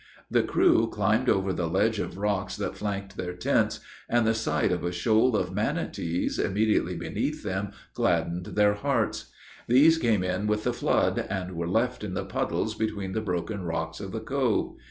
The crew climbed over the ledge of rocks that flanked their tents, and the sight of a shoal of manatees immediately beneath them, gladdened their hearts. These came in with the flood, and were left in the puddles between the broken rocks of the cove.